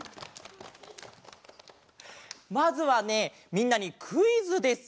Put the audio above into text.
まずはねみんなにクイズです。